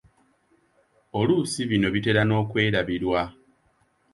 Oluusi bino bitera n’okwerabirwa.